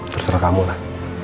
terserah kamu lah